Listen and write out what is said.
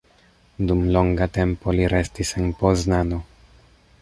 Dum longa tempo li restis en Poznano.